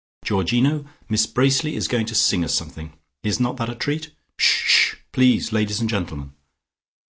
Georgino, Miss Bracely is going to sing us something. Is not that a treat? Sh sh, please, ladies and gentlemen."